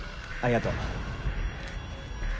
ありがとう。